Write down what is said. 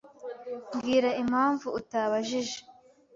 Mbwira impamvu utabajije